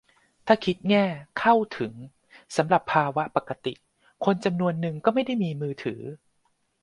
ถ้าคิดแง่ "เข้าถึง" สำหรับภาวะปกติ คนจำนวนนึงก็ไม่ได้มีมือถือ